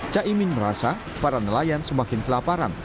caimin merasa para nelayan semakin kelaparan